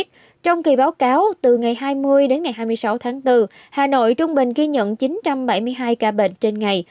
trong kỳ báo cáo từ ngày hai mươi đến ngày hai mươi sáu tháng bốn hà nội trung bình ghi nhận chín trăm bảy mươi hai ca bệnh trên ngày